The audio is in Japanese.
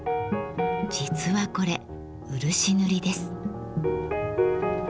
実はこれ漆塗りです。